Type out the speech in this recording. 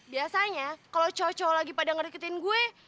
biasanya kalo cowok cowok lagi pada ngeriketin gue